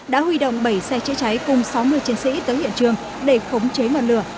đã huy động bảy xe chữa cháy cùng sáu mươi chiến sĩ tới hiện trường để khống chế ngọn lửa